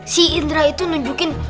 si indra itu nunjukin